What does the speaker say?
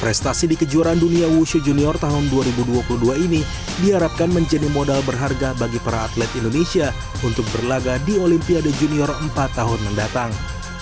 prestasi di kejuaraan dunia wushu junior tahun dua ribu dua puluh dua ini diharapkan menjadi modal berharga bagi para atlet indonesia untuk berlaga di olimpiade junior empat tahun mendatang